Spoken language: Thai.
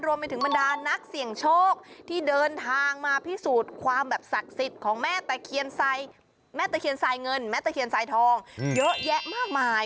บรรดานักเสี่ยงโชคที่เดินทางมาพิสูจน์ความแบบศักดิ์สิทธิ์ของแม่ตะเคียนแม่ตะเคียนสายเงินแม่ตะเคียนสายทองเยอะแยะมากมาย